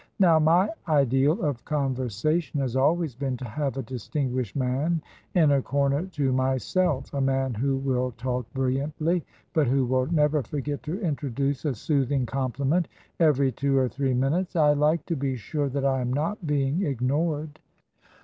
Now, my ideal of conversation has always been to have, a distinguished man in a corner to myself — ^a man who will talk bril liantly but who will never forget to introduce a soothing compliment every two or three minutes. I like to be sure that I am not being ignored."